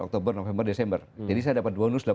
oktober november desember jadi saya dapat bonus